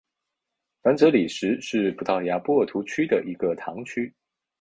凡泽里什是葡萄牙波尔图区的一个堂区。